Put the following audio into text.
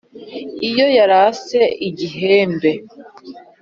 Iyo yarase igihembe